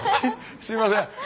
すいません。